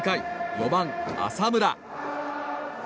４番、浅村。